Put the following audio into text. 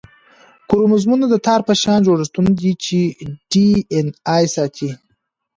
کروموزومونه د تار په شان جوړښتونه دي چې ډي این اې ساتي